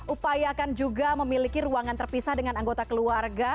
upayakan juga memiliki ruangan terpisah dengan anggota keluarga